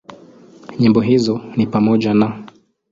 Nyimbo hizo ni pamoja na;